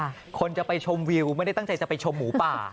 คนจะไปชมวิวไม่ได้ตั้งใจจะไปชมหมูป่า